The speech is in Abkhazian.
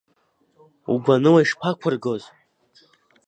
Угәаныла ишԥақәыргоз?